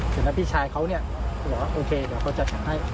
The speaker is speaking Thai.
เสร็จแล้วพี่ชายเขาเนี่ยบอกว่าโอเคเดี๋ยวเขาจัดให้